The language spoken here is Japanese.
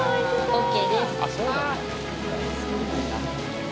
ＯＫです